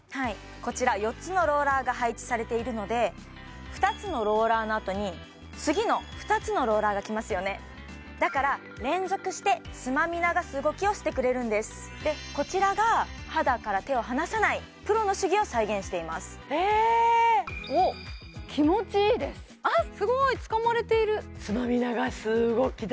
こちら４つのローラーが配置されているので２つのローラーの後に次の２つのローラーが来ますよねだから連続してつまみ流す動きをしてくれるんですこちらが肌から手を離さないプロの手技を再現していますえおっすごいつかまれているつまみ流す動きだ